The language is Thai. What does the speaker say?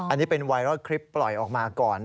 อันนี้เป็นไวรัลคลิปปล่อยออกมาก่อน